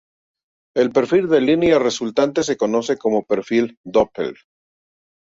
El perfil de línea resultante se conoce como perfil Doppler.